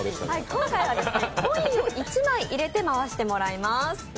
今回はコインを１枚入れて回してもらいます。